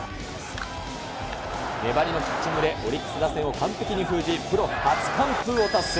粘りのピッチングでオリックス打線を完璧に封じ、プロ初完封を達成。